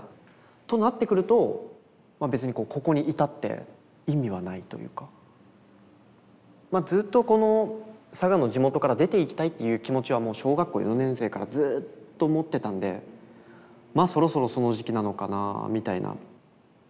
となってくるとまあ別にまあずっとこの佐賀の地元から出ていきたいという気持ちはもう小学校４年生からずっと持ってたんでそろそろその時期なのかなみたいな。